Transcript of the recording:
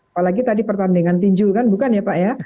apalagi tadi pertandingan tinju kan bukan ya pak ya